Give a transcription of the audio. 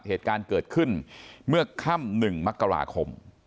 เหตุการณ์เกิดขึ้นเมื่อค่ำ๑มกราคม